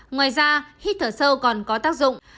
ngoài ra hít thở sâu còn có tác dụng